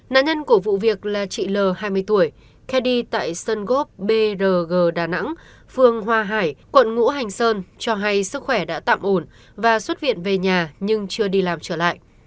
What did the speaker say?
nạn nhân của vụ việc là chị l a l hai mươi tuổi khe đi tại sơn góp brg đà nẵng phường hòa hải quận ngũ hành sơn cho hay sức khỏe đã tạm ổn và xuất viện về nhà nhưng chưa đi làm trở lại